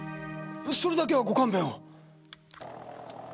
それだけはご勘弁を！